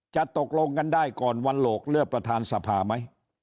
ตกลงกันได้ก่อนวันโหลกเลือกประธานสภาไหม